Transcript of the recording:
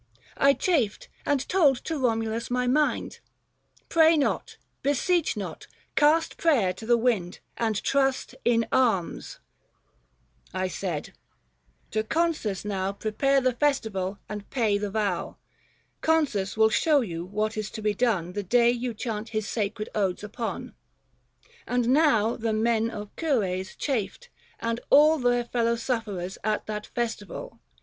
205 I chafed ; and told to Komulus my mind : Pray not, beseech not, cast prayer to the wind, And trust in arms, I said : to Consus now Prepare the festival and pay the vow ; Consus will show you what is to be done 210 The day you chant his sacred odes upon. And now the men of Cures chafed, and all Their fellow sufferers at that festival.